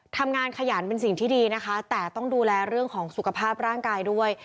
ขยันเป็นสิ่งที่ดีนะคะแต่ต้องดูแลเรื่องของสุขภาพร่างกายด้วย